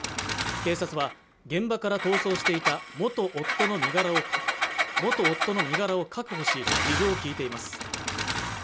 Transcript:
警察は現場から逃走していた元夫の身柄を確保し事情を聞いています